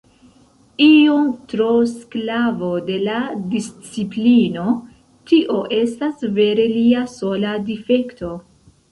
Iom tro sklavo de la disciplino; tio estas vere lia sola difekto.